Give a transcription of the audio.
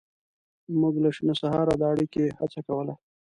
موږ له شنه سهاره د اړیکې هڅه کوله.